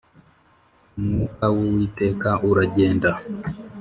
umwuka w'uwiteka uragenda